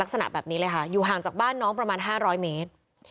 ลักษณะแบบนี้เลยค่ะอยู่ห่างจากบ้านน้องประมาณ๕๐๐เมตร